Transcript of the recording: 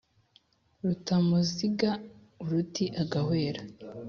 rutamuziga uruti agahwera,